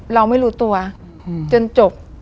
เราไม่รู้ตัวจนจบ